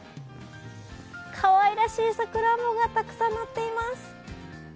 かわいらしいさんらんぼがたくさんなっています。